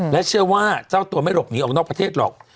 และเชื่อว่าเจ้าตัวไม่หลบหนีออกนอกประเทศหรอก